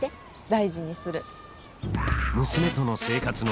大事にする。